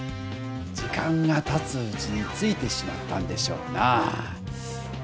時間がたつうちについてしまったんでしょうなぁ。